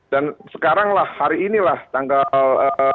dan sekarang lah hari inilah tanggal